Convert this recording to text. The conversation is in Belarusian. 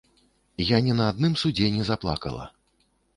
Я не на адным судзе не заплакала.